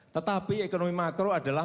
tetapi ekonomi makro adalah